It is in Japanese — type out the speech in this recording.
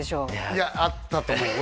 いやあったと思う